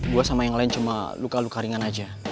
dua sama yang lain cuma luka luka ringan aja